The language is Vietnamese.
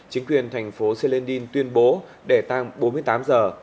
chính quyền thành phố sylenin tuyên bố để tăng bốn mươi tám giờ